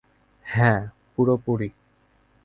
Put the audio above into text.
হ্যাঁ, পুরোপুরি।